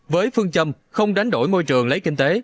với phương châm không đánh đổi môi trường lấy kinh tế